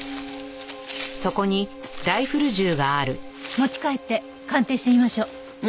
持ち帰って鑑定してみましょう。